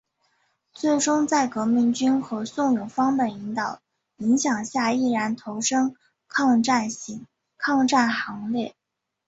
最终在革命军和宋永芳的影响下毅然投身抗战行列。